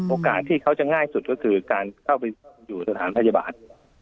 โอกาสที่เขาจะง่ายที่สุดคือการเข้าไปสถานพัฒบาท